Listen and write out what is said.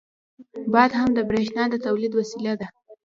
• باد هم د برېښنا د تولید وسیله ده.